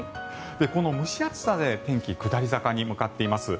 この蒸し暑さで天気は下り坂に向かっています。